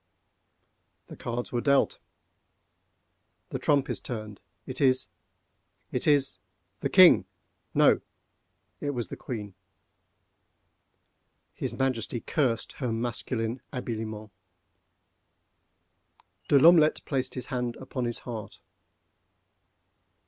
The cards were dealt. The trump is turned—it is—it is—the king! No—it was the queen. His Majesty cursed her masculine habiliments. De L'Omelette placed his hand upon his heart.